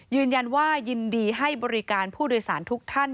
ยืนยันว่ายินดีให้บริการผู้โดยสารทุกท่าน